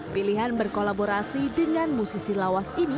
pilihan berkolaborasi dengan musisi lawas ini